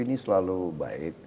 ini selalu baik